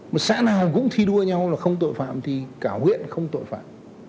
mà xã nào cũng thi đua nhau là không tội phạm thì cả huyện không tội phạm